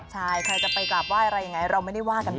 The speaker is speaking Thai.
ใช่ใครจะไปกราบไห้อะไรยังไงเราไม่ได้ว่ากันไป